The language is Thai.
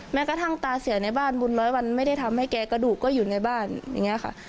แม้กระทั่งตาเสียในบ้านบุญร้อยวันไม่ได้ทำให้แกกระดูกก็อยู่ในบ้านอย่างนี้ค่ะ